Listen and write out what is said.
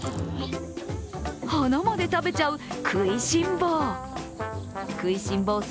花まで食べちゃう食いしん坊。